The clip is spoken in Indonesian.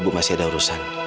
bu masih ada urusan